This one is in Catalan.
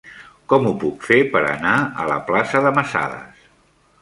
Com ho puc fer per anar a la plaça de Masadas?